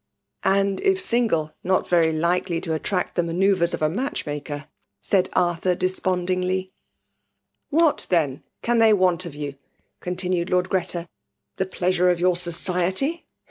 " And if single, not very likely io attract the manoeuvres of a matdi maker,* said Arthur deqpondiBgly. FEMALE DOMINATION. 175 '^ What, then, can thej want of you ?" con tinued Lord Greta. '' The pleasure of your society